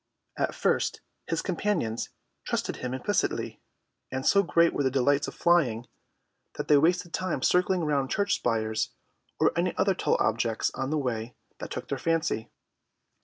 At first his companions trusted him implicitly, and so great were the delights of flying that they wasted time circling round church spires or any other tall objects on the way that took their fancy.